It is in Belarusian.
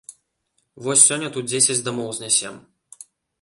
Вось сёння тут дзесяць дамоў знясем.